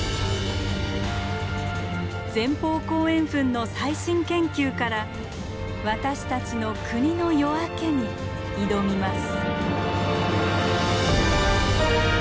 前方後円墳の最新研究から私たちの国の夜明けに挑みます。